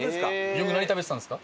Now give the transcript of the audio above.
よく何食べてたんですか？